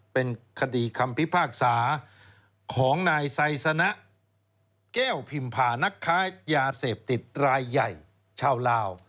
เป็นคดีคำพิพากษาของนายไซสนะแก้วพิมพานักค้ายาเสพติดรายใหญ่ชาวลาว